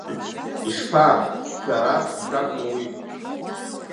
Ишԥа, шәара шәакәну уи?